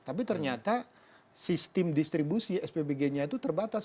tapi ternyata sistem distribusi spbg nya itu terbatas